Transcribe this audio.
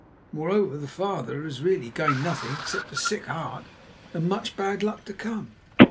Moreover, the father has really gained nothing except a sick heart and much bad luck to come."